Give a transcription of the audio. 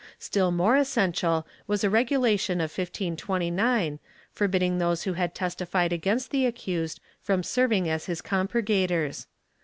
Still more essential was a regulation of 1529, forbidding those who had testified against the accused from serving as his compurgators.